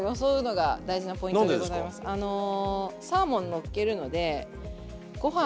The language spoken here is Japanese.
あのサーモンのっけるのでご飯